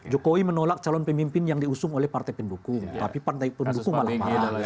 jokowi menolak calon pemimpin yang diusung oleh partai pendukung tapi partai pendukung malah marah